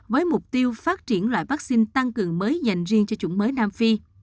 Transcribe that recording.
với mục tiêu phát triển loại vaccine tăng cường mới dành riêng cho chủng mới nam phi